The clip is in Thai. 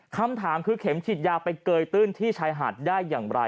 คำถามคือเข็มฉีดยาไปเกยตื้นที่ชายหาดได้อย่างไร